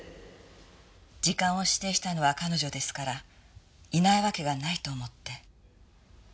時間を指定したのは彼女ですからいないわけがないと思って。